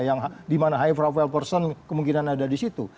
yang dimana high profile person kemungkinan ada di situ